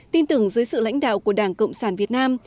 tin tưởng dưới sự lãnh đạo của đảng cộng sản việt nam